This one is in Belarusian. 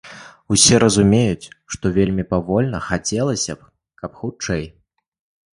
Усе разумеюць, што вельмі павольна, хацелася б, каб хутчэй.